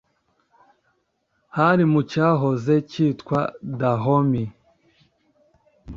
hari mu cyahoze cyitwa Dahomey